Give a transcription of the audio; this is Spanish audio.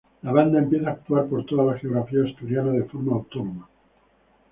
La banda empieza a actuar por toda la geografía asturiana de forma autónoma.